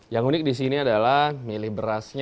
yang unik disini adalah milih berasnya